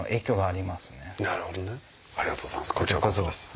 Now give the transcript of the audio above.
ありがとうございます。